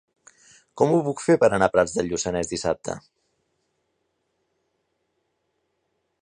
Com ho puc fer per anar a Prats de Lluçanès dissabte?